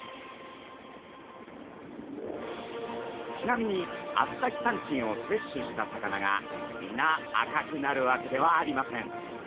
ちなみにアスタキサンチンをせっしゅした魚がみな赤くなるわけではありません。